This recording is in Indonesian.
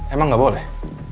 emang gak boleh